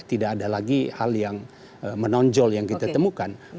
tidak ada lagi hal yang menonjol yang kita temukan